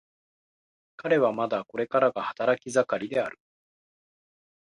彼はまだこれからが働き盛りである。